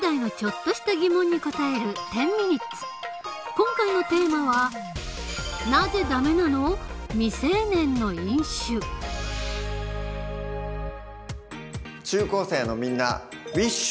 今回のテーマは中高生のみんなウィッシュ！